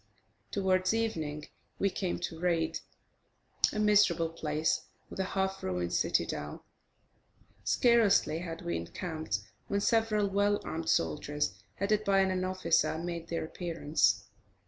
Towards evening, we came to Raid, a miserable place with a half ruined citadel. Scarcely had we encamped, when several well armed soldiers, headed by an officer, made their appearance.